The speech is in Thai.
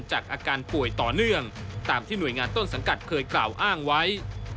อาการป่วยต่อเนื่องตามที่หน่วยงานต้นสังกัดเคยกล่าวอ้างไว้